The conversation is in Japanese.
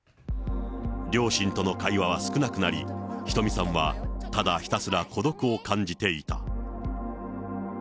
両親との会話は少なくなり、ひとみさんはただひたすら孤独を感じていた。